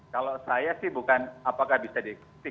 kalau saya sih bukan apakah bisa dikritik